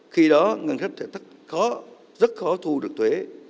khi đó ngân sách sẽ rất khó thu được thuế